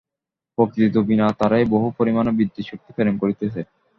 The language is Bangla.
প্রকৃতি তো বিনা তারেই বহু পরিমাণে বিদ্যুৎশক্তি প্রেরণ করিতেছে।